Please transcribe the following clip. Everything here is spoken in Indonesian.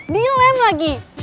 di lem lagi